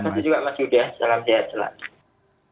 terima kasih juga mas yuda salam sehat selalu